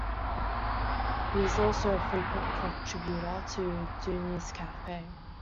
He is also a frequent contributor to "Dooney's Cafe".